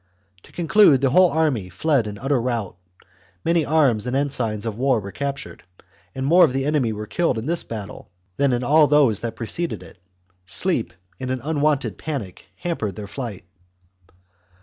To conclude, the whole army fled in utter rout ; many arms and ensigns of war were captured, and more of the enemy were killed in this battle than in all those that preceded it. Sleep and an unwonted panic hampered their flight.